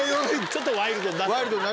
ちょっとワイルドに。